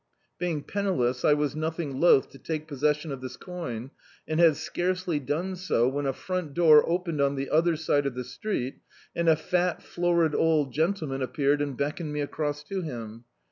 Being penniless I was nothing loth to take possession of this coin, and had scarcely done so, when a frtmt door opened on the other side of the street, and a fat florid old gentleman appeared and beckoned me across to him.